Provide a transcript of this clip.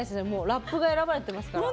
ラップが選ばれてますから。